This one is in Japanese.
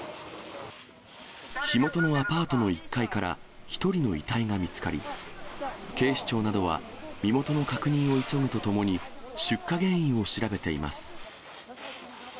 火元のアパートの１階から１人の遺体が見つかり、警視庁などは身元の確認を急ぐとともに、出火原因を調べています。